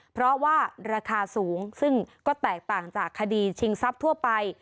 เพราะว่าราคาสูงซึ่งก็แตกต่างจากคดีชิงทรัพย์ทั่วไป